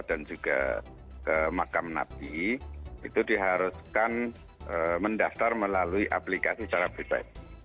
dan juga ke makam nabi itu diharuskan mendaftar melalui aplikasi secara pribadi